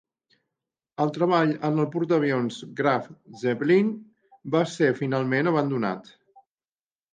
El treball en el portaavions "Graf Zeppelin" va ser finalment abandonat.